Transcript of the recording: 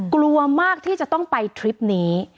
กลัวมากที่จะต้องไปทริปนี้